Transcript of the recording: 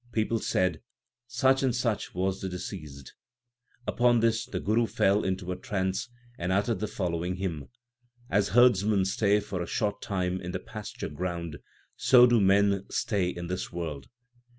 People said, Such and such was the deceased/ Upon this the Guru fell into a trance, and uttered the following hymn : As herdsmen stay for a short time in the pasture ground, 6 so do men stay in this world.